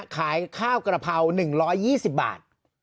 ขายข้าวกระเพรา๑๒๐บาท